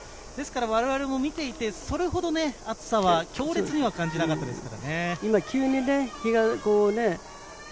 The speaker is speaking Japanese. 我々も見ていて、それほど暑さは強烈には感じなかったですよね。